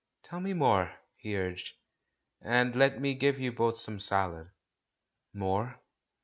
"Tell me more," he urged. "And let me give you both some salad." "More?